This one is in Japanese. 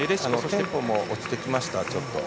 テンポも落ちてきました。